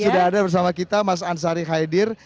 sudah ada bersama kita mas ansari khaidir